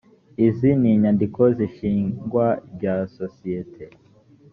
izi ni inyandiko z’ishingwa rya sosiyete